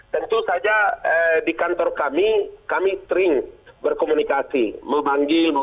tentu saja di kantor kami kami sering berkomunikasi memanggil